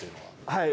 はい。